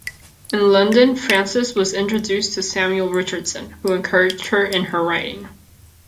In London Frances was introduced to Samuel Richardson, who encouraged her in her writing.